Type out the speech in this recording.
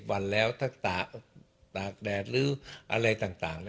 วันแล้วถ้าตากแดดหรืออะไรต่าง